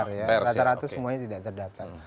tidak terdaftar rata rata semuanya tidak terdaftar